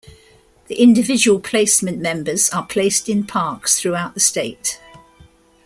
The Individual Placement members are placed in parks throughout the state.